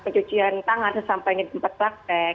pencucian tangan sesampainya di tempat praktek